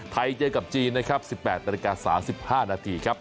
ไทยเจอกับจีนนะครับ๑๘นาฬิกา๓๕นาทีครับ